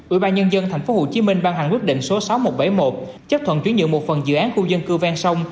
ủy ban nhân dân tp hcm ban hành quyết định số sáu nghìn một trăm bảy mươi một chấp thuận chuyển nhượng một phần dự án khu dân cư ven sông